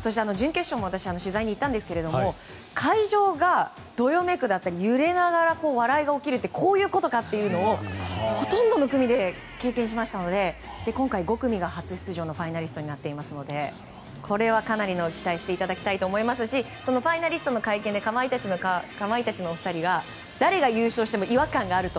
そして準決勝も私、取材に行ったんですが会場がどよめくだったり揺れながら笑いが起こるってこういうことかっていうのをほとんどの組で経験しましたので今回、５組が初出場のファイナリストになっていますのでかなり期待していただきたいと思いますしそのファイナリストの会見でかまいたちのお二人が誰が優勝しても違和感があると。